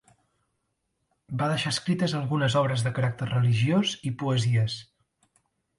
Va deixar escrites algunes obres de caràcter religiós i poesies.